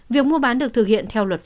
việc mua bán được thực hiện theo lựa chọn